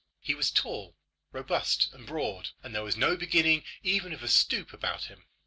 He was tall, robust, and broad, and there was no beginning even of a stoop about him.